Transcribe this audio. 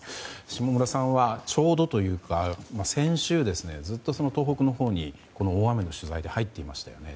下村さんはちょうどというか先週ずっと東北のほうに大雨の取材で入っていましたよね。